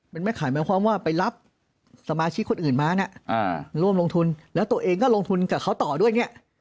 เป็นแม่ขายหมายความว่าไปรับสมาชิกคนอื่นมาเนี่ยร่วมลงทุนแล้วตัวเองก็ลงทุนกับเขาต่อด้วยเนี่ย